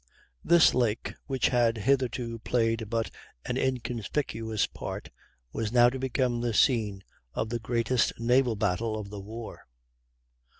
This lake, which had hitherto played but an inconspicuous part, was now to become the scene of the greatest naval battle of the war.